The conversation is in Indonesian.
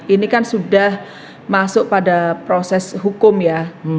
ini kan sudah masuk pada proses hukum ya